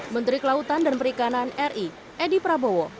menteri kelautan dan perikanan ri edi prabowo